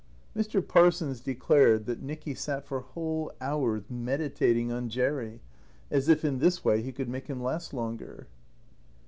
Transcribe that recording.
Mr. Parsons declared that Nicky sat for whole hours meditating on Jerry, as if in this way he could make him last longer.